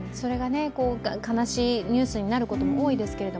悲しいニュースになることも多いですけど、